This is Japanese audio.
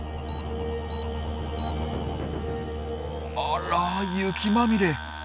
あら雪まみれ。